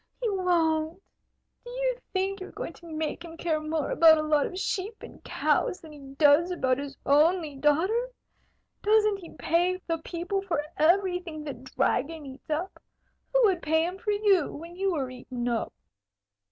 "He won't. Do you think you're going to make him care more about a lot of sheep and cows than he does about his only daughter? Doesn't he pay the people for everything the Dragon eats up? Who would pay him for you, when you were eaten up?"